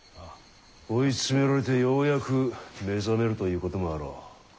追い詰められてようやく目覚めるということもあろう。